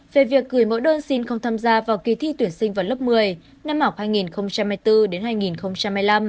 về việc gửi mẫu đơn xin không tham gia vào kỳ thi tuyển sinh vào lớp một mươi năm học hai nghìn hai mươi bốn đến hai nghìn hai mươi năm